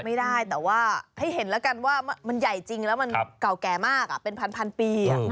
ไม่ได้แต่ว่าให้เห็นแล้วกันว่ามันใหญ่จริงแล้วมันเก่าแก่มากเป็นพันปี